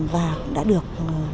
và đã được